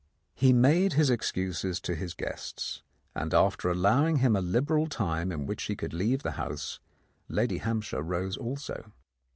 He made his excuses to his guests, and after allow ing him a liberal time in which he could leave the house, Lady Hampshire rose also.